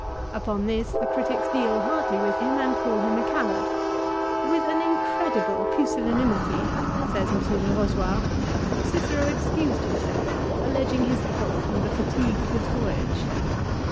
Upon this the critics deal hardly with him and call him a coward. "With an incredible pusillanimity," says M. Du Eozoir, " Cicero ex cused himself, alleging his health and the fatigue of his voyage."